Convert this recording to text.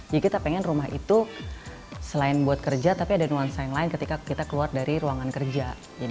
kita pengen rumah itu selain buat kerja tapi ada nuansa yang lain ketika kita keluar dari ruangan kerja